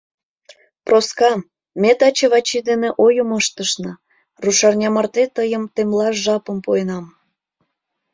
Проска, ме таче Вачи дене ойым ыштышна: рушарня марте тыйым темлаш жапым пуэнам.